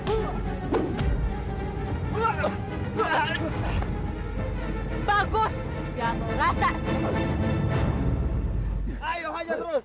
ayo hajar terus